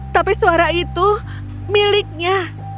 tapi suara itu miliknya